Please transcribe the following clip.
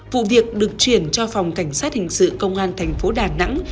vụ việc được chuyển cho phòng cảnh sát hình sự công an tp đà nẵng